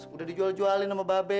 udah dijual jualin sama babe